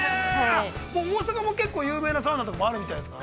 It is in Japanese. ◆大阪も結構有名なサウナとかあるみたいですね。